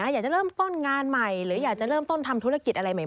อยากจะเริ่มต้นงานใหม่หรืออยากจะเริ่มต้นทำธุรกิจอะไรใหม่